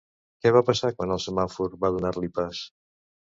Què va passar quan el semàfor va donar-li pas?